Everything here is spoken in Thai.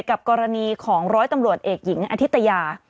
กับกรณีของร้อยตำรวจเอกหญิงอธิตยา